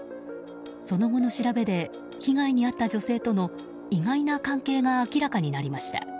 その後の調べで被害に遭った女性との意外な関係が明らかになりました。